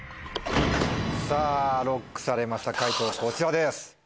さぁＬＯＣＫされました解答こちらです。